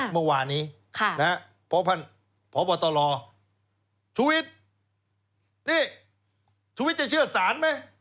เมื่อวานนี้พบตรชุวิตนี่ชุวิตจะเชื่อสารไหม